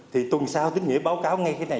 thì tuần sau tính nghĩa báo cáo ngay cái này